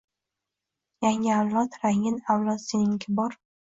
Yangi avlod, rangin avlod sening kibor